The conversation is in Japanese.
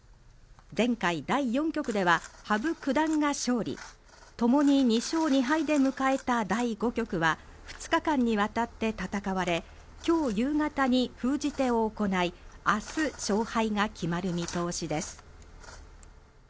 前回第４局では羽生九段が勝利ともに２勝２敗で迎えた第５局は２日間に渡って戦われ、今日夕方に封じ手を行い明日勝敗が決まる見通しです。